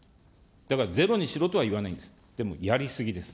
だからゼロにしろとは言えないんです、でもやり過ぎです。